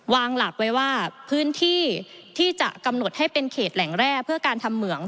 วางหลักไว้ว่าพื้นที่ที่จะกำหนดให้เป็นเขตแหล่งแร่เพื่อการทำเหมือง